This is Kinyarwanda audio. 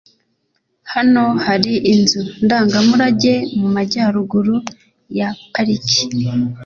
Hano hari inzu ndangamurage mumajyaruguru ya pariki.